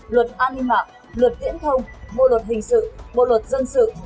luật an ninh mạng luật viễn thông bộ luật hình sự bộ luật dân sự